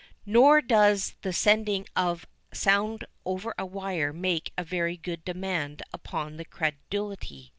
Nor does the sending of sound over a wire make a very great demand upon the credulity.